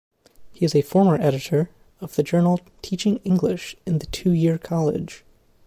He is a former editor of the journal Teaching English in the Two-Year College.